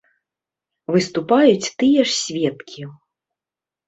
Выступаюць тыя ж сведкі.